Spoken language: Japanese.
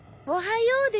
おはよう。